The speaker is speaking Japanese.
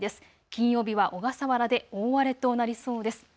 金曜日は小笠原で大荒れとなりそうです。